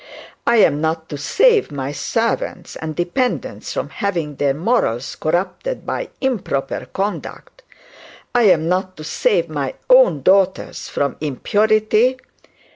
I am not to save my servants and dependents from having their morals corrupted by improper conduct! I am not to save my own daughters from impurity!